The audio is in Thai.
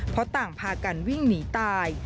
เพราะต่างพากันวิ่งหนีตาย